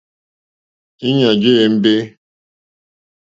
Íɲá jé ěmbé.